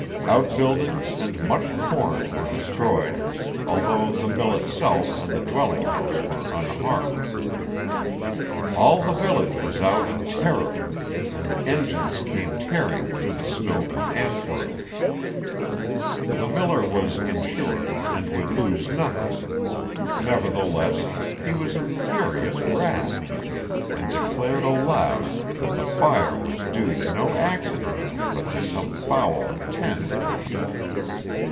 Outbuildings and much corn were destroyed, although the mill itself and the dwelling house were unharmed. All the village was out in terror, and engines came tearing through the snow from Antwerp. The miller was insured, and would lose nothing: nevertheless, he was in furious wrath, and declared aloud that the fire was due to no accident, but to some foul intent.